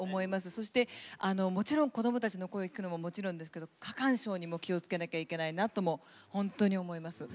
そして子どもたちの声を聴くのももちろんですけど、過干渉にも気をつけないといけないなと本当に思います。